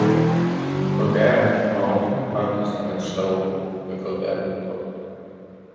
Colbert had promoted the contest on his show, "The Colbert Report".